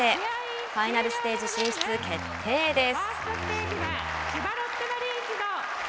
ファイナルステージ進出決定です。